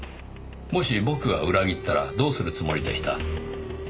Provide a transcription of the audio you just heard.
もし僕が裏切ったらどうするつもりでした？